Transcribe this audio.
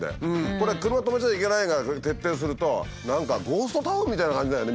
これが車止めちゃいけないからって徹底すると何かゴーストタウンみたいな感じだよね